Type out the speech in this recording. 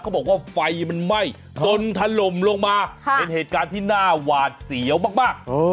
บอกว่าไฟมันไหม้จนถล่มลงมาเป็นเหตุการณ์ที่น่าหวาดเสียวมาก